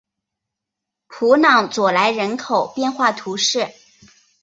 普朗佐莱人口变化图示